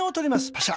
パシャ。